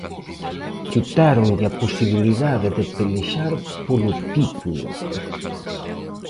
Quitáronlle a posibilidade de pelexar polo titulo.